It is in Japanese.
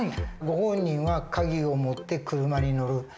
ご本人は鍵を持って車に乗る。